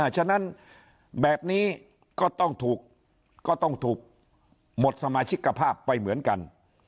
ฉะนั้นแบบนี้ก็ต้องถูกก็ต้องถูกหมดสมาชิกภาพไปเหมือนกัน